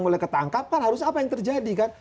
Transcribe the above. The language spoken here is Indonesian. mulai ketangkap kan harusnya apa yang terjadi kan